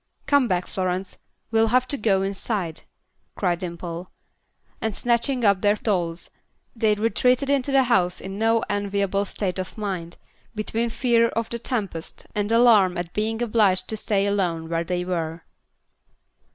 Come back, Florence; we'll have to go inside," cried Dimple. And snatching up their dolls, they retreated into the house in no enviable state of mind, between fear of the tempest and alarm at being obliged to stay alone where they were.